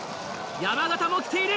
山縣も来ている！